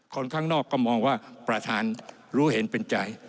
คนข้างนอกก็มองว่าประธานรู้เห็นเป็นใจ